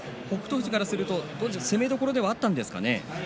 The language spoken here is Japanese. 富士からすると攻めどころではあったんですかね。